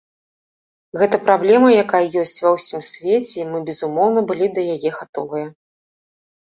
Гэта праблема, якая ёсць ва ўсім свеце, і мы безумоўна былі да яе гатовыя.